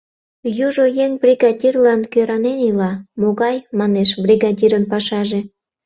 Южо еҥ бригадирлан кӧранен ила: «Могай, — манеш, — бригадирын пашаже?